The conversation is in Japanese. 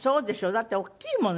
だって大きいもの